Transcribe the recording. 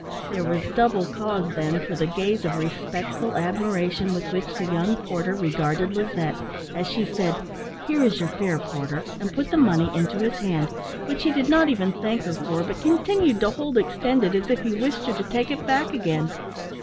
There was double cause, then, for the gaze of respectful admiration with which the young porter regarded Lizette, as she said, "Here is your fare, porter," and put the money into his hand, which he did not even thank her for, but continued to hold extended as if he wished her to take it back again.